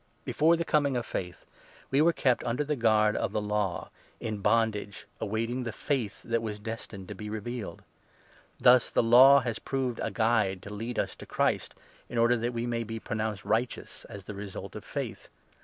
Before the coming of faith, we were kept under the guard of 23 the Law, in bondage, awaiting the Faith that was destined to be revealed. Thus the Law has proved a guide to lead us to Christ, 24 in order that we may be pronounced righteous as the result of faith.